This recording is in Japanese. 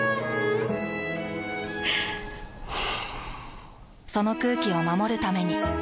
ふぅその空気を守るために。